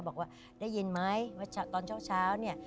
บอกว่าได้ยินไหมว่าตอนเช้าเนี่ย